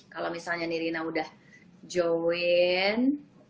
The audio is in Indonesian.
kalau misalnya nirina udah join